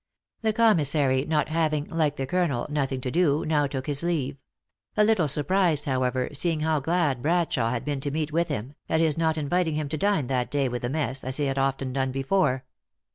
The commissary not having, like the colonel, noth ing to do, now took his leave ; a little surprised, how ever, seeing how glad Bradshawe had been to meet with him, at his not inviting him to dine that day with the mess, as he had often done before.